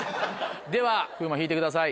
では風磨引いてください。